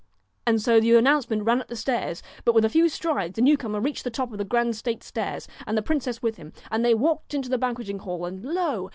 And so the announcement ran up the stairs, but with a few strides the new comer reached the top of the grand state stairs, and the princess with him, and they walked into the banqueting hall and lo